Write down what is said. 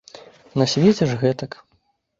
На свеце ж гэтак.